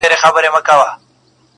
چي بنده کله مغروره په خپل ځان سي -